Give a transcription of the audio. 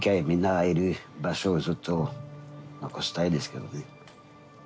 みんながいる場所ずっと残したいですけどね。